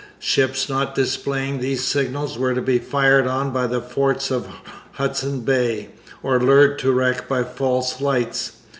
Ships not displaying these signals were to be fired on by the forts of Hudson Bay or lured to wreck by false lights.